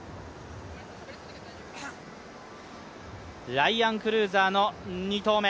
ライアン・クルーザーの２投目。